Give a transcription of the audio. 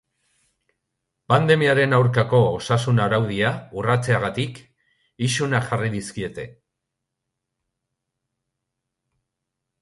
Pandemiaren aurkako osasun araudia urratzeagatik isunak jarri dizkiete.